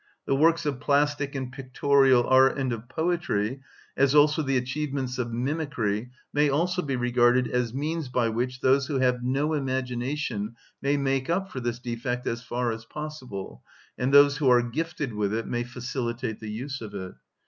The works of plastic and pictorial art and of poetry, as also the achievements of mimicry, may also be regarded as means by which those who have no imagination may make up for this defect as far as possible, and those who are gifted with it may facilitate the use of it.